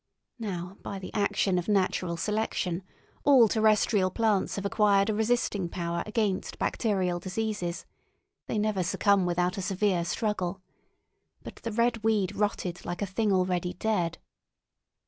Now by the action of natural selection, all terrestrial plants have acquired a resisting power against bacterial diseases—they never succumb without a severe struggle, but the red weed rotted like a thing already dead.